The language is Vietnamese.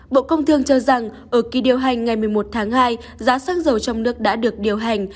bộ công thương cho rằng ở kỳ điều hành ngày một mươi một tháng hai giá xăng dầu trong nước đã được điều hành